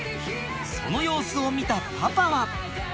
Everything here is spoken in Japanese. その様子を見たパパは。